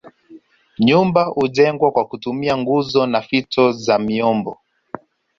Nyumba hujengwa kwa kutumia nguzo na fito za miombo